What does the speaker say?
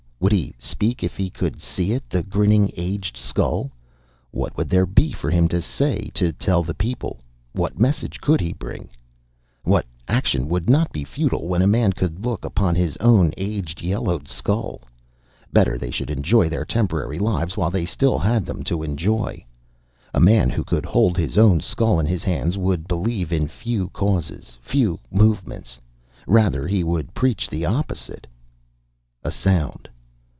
Would he speak, if he could see it, the grinning, aged skull? What would there be for him to say, to tell the people? What message could he bring? What action would not be futile, when a man could look upon his own aged, yellowed skull? Better they should enjoy their temporary lives, while they still had them to enjoy. A man who could hold his own skull in his hands would believe in few causes, few movements. Rather, he would preach the opposite A sound.